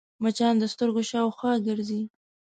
مچان د سترګو شاوخوا ګرځي